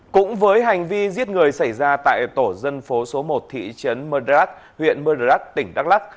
cũng với hành vi giết người xảy ra tại tổ dân phố số một thị trấn madrat huyện madrat tỉnh đắk lắc